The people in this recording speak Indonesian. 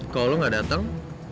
kalau lu gak datang